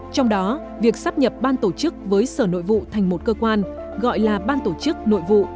trong đó việc sắp nhập ban tổ chức với sở nội vụ thành một cơ quan gọi là ban tổ chức nội vụ